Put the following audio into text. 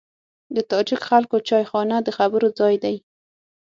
د تاجک خلکو چایخانه د خبرو ځای دی.